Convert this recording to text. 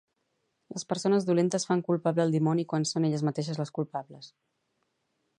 Les persones dolentes fan culpable el dimoni quan són elles mateixes les culpables